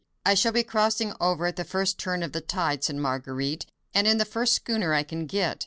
"I shall be crossing over at the first turn of the tide," said Marguerite, "and in the first schooner I can get.